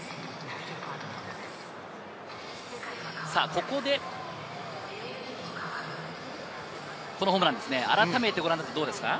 ここで、このホームランですね、あらためてどうですか？